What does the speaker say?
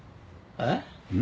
えっ？